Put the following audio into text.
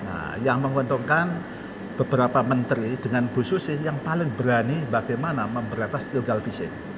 nah yang menguntungkan beberapa menteri dengan khususnya yang paling berani bagaimana memberetas ilgal visin